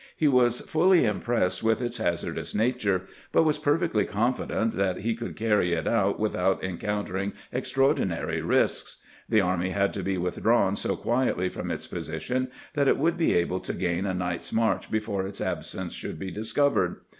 He was fully impressed with its hazardous nature, but was perfectly confident that he could carry it out with out encountering extraordinary risks. The army had to be withdrawn so quietly from its position that it would be able to gain a night's march before its absence should be discovered.